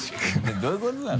どういうことなの？